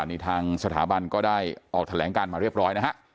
นี่ทางสถาบันก็ได้ออกแถลงการมาเรียบร้อยนะฮะ